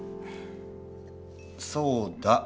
そうだ。